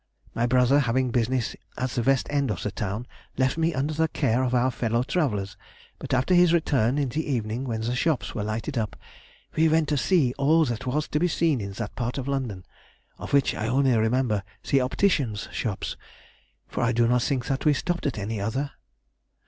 My brother having business at the West end of the town, left me under the care of our fellow travellers; but after his return, in the evening when the shops were lighted up, we went to see all that was to be seen in that part of London, of which I only remember the opticians' shops, for I do not think we stopped at any other.